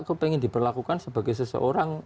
aku pengen diperlakukan sebagai seseorang